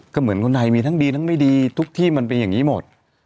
ก็เหมือนคนไทยมีทั้งดีทั้งไม่ดีทุกที่มันเป็นอย่างนี้หมด